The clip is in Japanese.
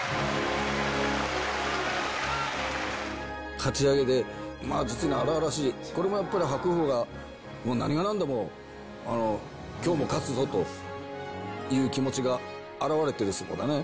かち上げで、まあ実に荒々しい、これもやっぱり、白鵬がもう何がなんでも、きょうも勝つぞという気持ちが表れてる相撲だね。